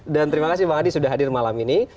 dan terima kasih bang adi sudah hadir malam ini